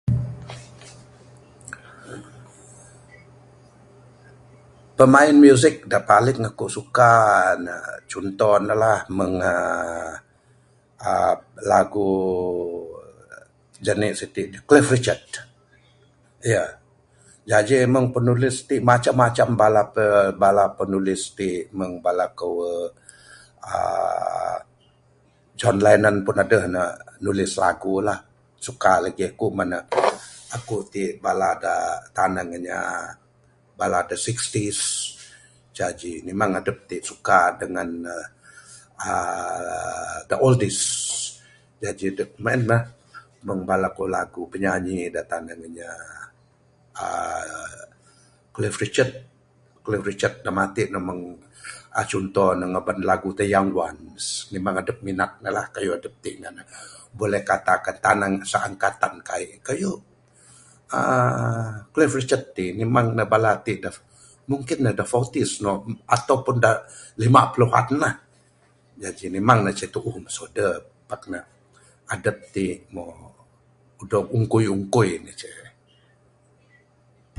Pemain musik da paling akuk suka ne, conto ne lah. Mung uhh uhh lagu jani' sitik, Cliff Richard. Aye. Jaji mung penulis tik, macam macam bala pe penulis tik. Mung bala ke uhh John Lennon pun aduh ne nulis lagu lah. Suka lagi aku menu'. Akuk tik bala da tanang inya bala da sixties. Jaji memang adup tik suka dengan uhh the oldies. Jaji dup mung en mah. Mung bala ko lagu penyanyi da' tanang inya uhh Cliff Richard. Cliff Richard da matik meng uhh cunto ne ngaban lagu The Young One. Memang adup minat ne lah. Kayuh adup tik, buleh katakan tanang seangkatan kai' kayuh uhh Cliff Richard tik, memang ne bala tik da mungkin ne The Fourties, no atau pun da limak puluhan lah. Jaji memang ne ce tuuh masu adup. Pak ne adup tik moh udog ungkui ungkui ne ce.